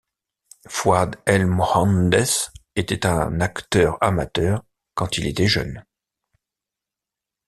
Fouad El-Mohandess était un acteur amateur quand il était jeune.